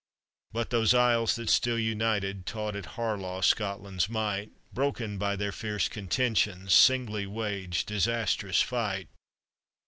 But those Isles that still united Taught at Harlaw Scotland's might, Broken by their fierce contentions, Singly waged disastrous fight.